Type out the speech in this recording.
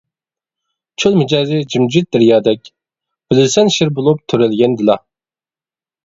چۆل مىجەزى جىمجىت دەريادەك، بىلىسەن شىر بولۇپ تۆرەلگەندىلا.